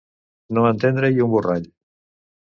No entendre-hi un borrall.